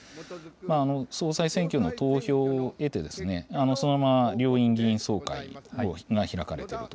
総裁選挙の投票を経て、そのまま両院議員総会が開かれてると。